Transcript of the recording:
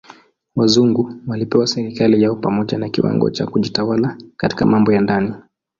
Wazungu walipewa serikali yao pamoja na kiwango cha kujitawala katika mambo ya ndani.